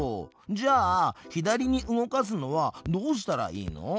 じゃあ左に動かすのはどうしたらいいの？